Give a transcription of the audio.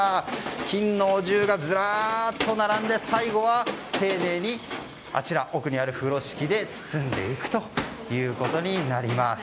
金のお重がずらっと並んで最後は丁寧に奥にある風呂敷で包んでいくということになります。